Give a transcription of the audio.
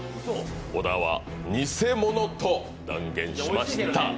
小田はニセモノと断言しました。